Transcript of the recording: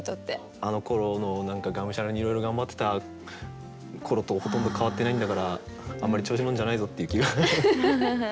あのころの何かがむしゃらにいろいろ頑張ってた頃とほとんど変わってないんだからあんまり調子に乗るんじゃないぞっていう気が今でもします。